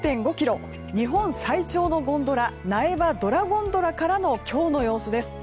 日本最長のゴンドラ苗場ドラゴンドラからの今日の様子です。